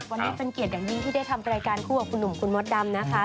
วันนี้เป็นเกียรติอย่างยิ่งที่ได้ทำรายการคู่กับคุณหนุ่มคุณมดดำนะคะ